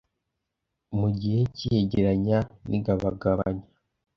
mu gihe cy iyegeranya n igabagabanya